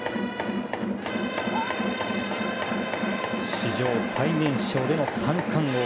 史上最年少での三冠王。